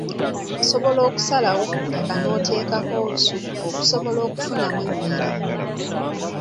Osobola okusalawo ku ttaka n’oteekako olusuku okusobola okufunamu emmere.